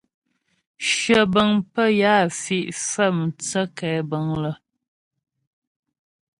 Shyə bə̀ŋ pə́ yə á fi' fə̀'ə mthə́ kɛ̌bəŋ lə.